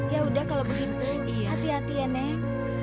yaudah kalau begitu hati hati ya neng